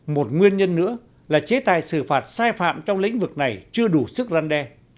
một nguyên nhân nữa là chế tài xử phạt sai phạm trong lĩnh vực này chưa đủ sức răn đe